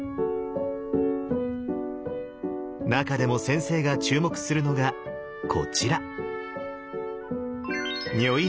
なかでも先生が注目するのがこちら。